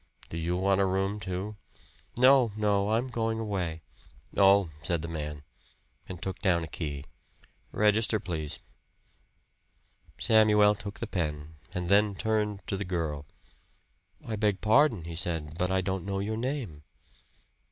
"Do you want a room, too?" "No, no, I'm going away." "Oh!" said the man, and took down a key. "Register, please." Samuel took the pen, and then turned to the girl. "I beg pardon," he said, "but I don't know your name."